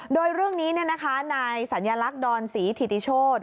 โดยเรื่องนี้นายสัญลักษณ์ดอนศรีธิติโชธ